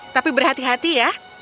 tapi berhati hati ya